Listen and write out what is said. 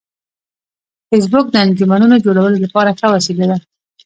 فېسبوک د انجمنونو جوړولو لپاره ښه وسیله ده